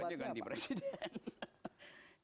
ya obatnya ganti presiden